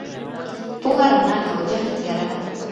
پوهه رڼا ده او جهل تياره ده.